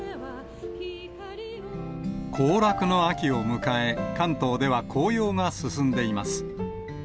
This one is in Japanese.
行楽の秋を迎え、関東では紅葉が進んでいます。